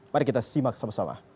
mari kita simak sama sama